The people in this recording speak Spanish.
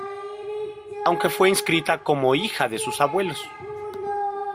Aunque fue inscrita como hija de sus abuelos.